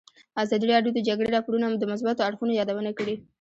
ازادي راډیو د د جګړې راپورونه د مثبتو اړخونو یادونه کړې.